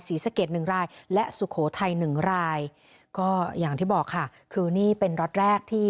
ศรีสะเกดหนึ่งรายและสุโขทัยหนึ่งรายก็อย่างที่บอกค่ะคือนี่เป็นล็อตแรกที่